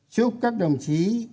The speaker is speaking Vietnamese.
chúc các đồng chí